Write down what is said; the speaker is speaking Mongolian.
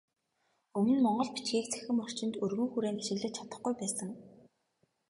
Өмнө монгол бичгийг цахим орчинд өргөн хүрээнд ашиглаж чадахгүй байсан.